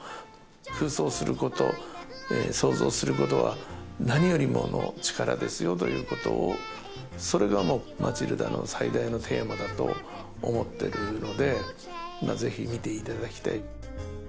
空想すること想像することは何よりもの力ですよということをそれが『マチルダ』の最大のテーマだと思ってるのでぜひ見ていただきたい。